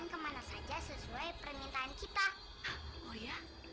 sampai jumpa di video selanjutnya